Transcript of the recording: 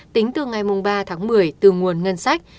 tính từ ngày ba tháng một mươi từ nguồn ngân sách